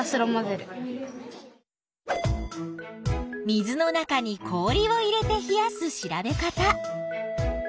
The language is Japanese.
水の中に氷を入れて冷やす調べ方。